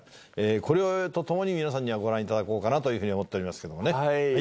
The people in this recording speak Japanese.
これとともに皆さんにはご覧いただこうかなというふうに思っておりますけどもね。